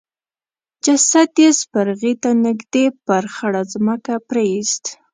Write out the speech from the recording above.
جسد يې سپرغي ته نږدې پر خړه ځمکه پريېست.